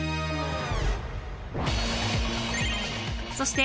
そして